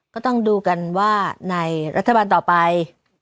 ก็ต้องดูกันว่าในรัฐบาลต่อไป